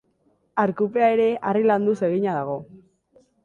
Arkupea ere harri landuz egina dago.